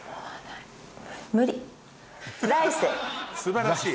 素晴らしい！